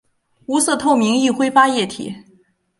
无色透明易挥发液体。